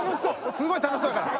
すごい楽しそうだから。